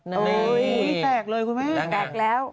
นี่แตกเลยคุณแม่